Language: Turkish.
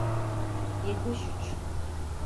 Yetmiş üç